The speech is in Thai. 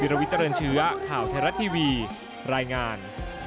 วิรวิจรรย์เชื้อข่าวแทรรัสทีวีรายงาน